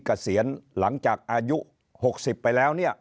เกษียณหลังจากอายุ๖๐ไปแล้วเนี่ย